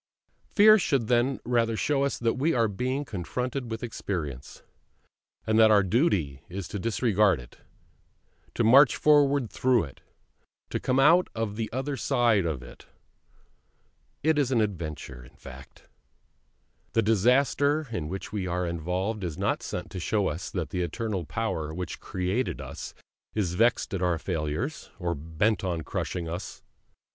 Fear should then rather show us that we are being confronted with experience; and that our duty is to disregard it, to march forward through it, to come out on the other side of it. It is all an adventure, in fact! The disaster in which we are involved is not sent to show us that the Eternal Power which created us is vexed at our failures, or bent on crushing us.